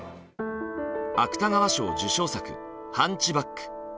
芥川賞受賞作「ハンチバック」。